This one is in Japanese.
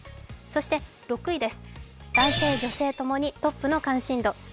そして６位です、男性、女性ともにトップの関心度。